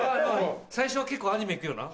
最初は結構アニメ行くよな。